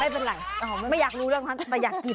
ไม่เป็นไรไม่อยากรู้เรื่องนั้นแต่อยากกิน